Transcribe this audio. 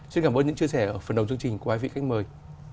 xin cảm ơn những chia sẻ ở phần đồng chương trình của quý vị khách mời